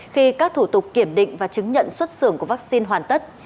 khi các thủ tục kiểm định và chứng nhận xuất xưởng của vaccine hoàn tất